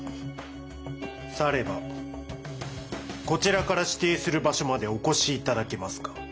さればこちらから指定する場所までお越し頂けますか？